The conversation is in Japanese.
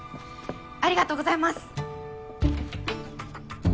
ありがとうございます！